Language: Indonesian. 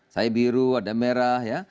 saya biru ada merah ya